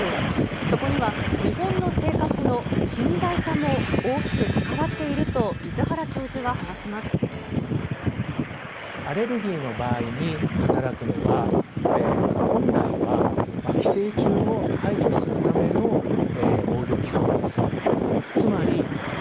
そこには日本の生活の近代化も大きく関わっていると出原教授は話アレルギーの場合に働くのは、本来は寄生虫を排除するための防御きこうです。